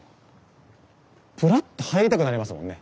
ぷらっと入りたくなりますもんね。